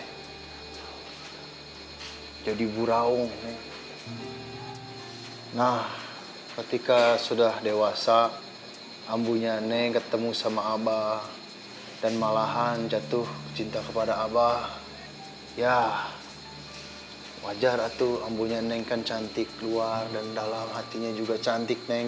hai jadi buraung neng nah ketika sudah dewasa ambunya neng ketemu sama abah dan malahan